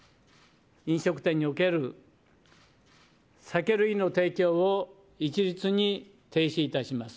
飲食店における酒類の提供を一律に停止いたします。